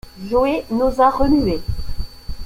Joe n’osa remuer.